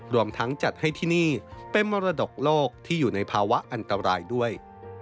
รวมทั้งจัดให้ที่นี่เป็นมรดกโลกที่อยู่ในภาวะอันตรายด้วย